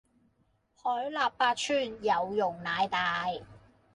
海納百川，有容乃大